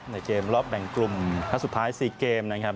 ในเกมรอบแบ่งกลุ่มนัดสุดท้าย๔เกมนะครับ